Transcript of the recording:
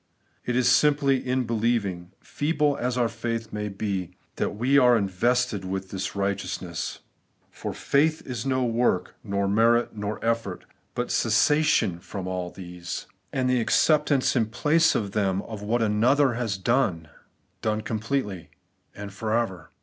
It is simply in believing, — feeble as our faith may be, — ^that we are invested with this righteousness. For faith is no work, nor merit, nor effort ; but the cessation from all these. EigMeousness for the UnrigMeous. 75 and the acceptance in place of them of what another has done, — done completely, and for ever.